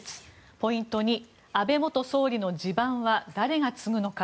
ポイント２、安倍元総理の地盤は誰が継ぐのか。